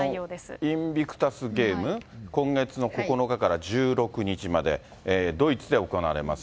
このインビクタス・ゲーム、今月の９日から１６日まで、ドイツで行われます。